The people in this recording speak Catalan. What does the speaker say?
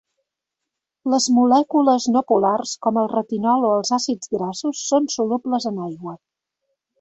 Les molècules no polars, com el retinol o els àcids grassos són solubles en aigua.